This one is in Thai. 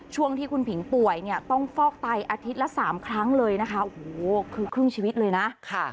ช่วงที่คุณผิงป่วยเนี่ยต้องฟอกไตอาทิตย์ละ๓ครั้งเลยนะคะโอ้โหคือครึ่งชีวิตเลยนะ